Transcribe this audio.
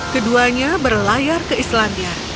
keduanya berlayar ke islandia